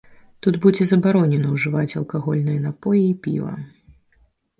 Тут будзе забаронена ўжываць алкагольныя напоі і піва.